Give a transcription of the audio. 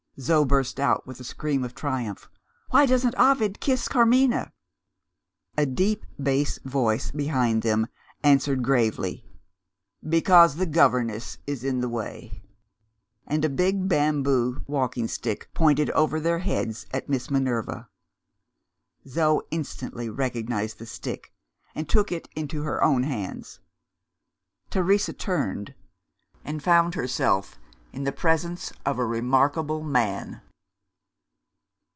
Zo burst out, with a scream of triumph. "Why doesn't Ovid kiss Carmina?" A deep bass voice, behind them, answered gravely: "Because the governess is in the way." And a big bamboo walking stick pointed over their heads at Miss Minerva. Zo instantly recognised the stick, and took it into her own hands. Teresa turned and found herself in the presence of a remarkable man.